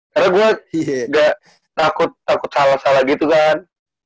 karena gue ga takut salah salah gitu kan